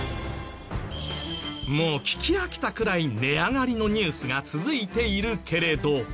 もう聞き飽きたくらい値上がりのニュースが続いているけれど。